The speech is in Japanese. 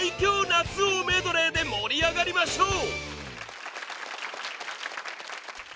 夏王メドレーで盛り上がりましょう！